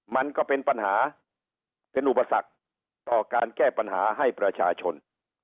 มันก็เป็นปัญหาเป็นอุปสรรคต่อการแก้ปัญหาให้ประชาชน